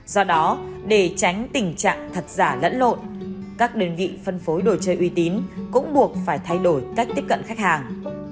do đó để tránh tình trạng thật giả lẫn lộn các đơn vị phân phối đồ chơi uy tín cũng buộc phải thay đổi cách tiếp cận khách hàng